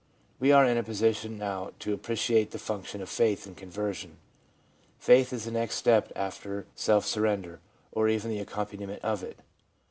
We are in a position now to appreciate the function of faith in conversion. Faith is the next step after self surrender, or even the accompaniment of it.